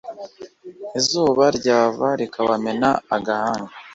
izuba ryava rikabamena agahanga